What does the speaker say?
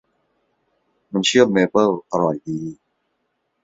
น้ำเชื่อมเมเปิลอร่อยดี